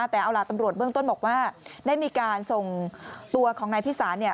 แต่เอาล่ะตำรวจเบื้องต้นบอกว่าได้มีการส่งตัวของนายพิสาร